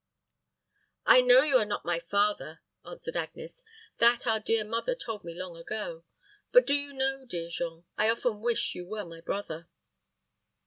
"I know you are not my father," answered Agnes. "That our dear mother told me long ago; but do you know, dear Jean, I often wish you were my brother."